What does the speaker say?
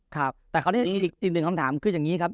ครับแต่อีกหนึ่งคำถามขึ้นอย่างนี้ครับ